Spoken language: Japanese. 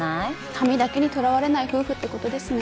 紙だけにとらわれない夫婦ってことですね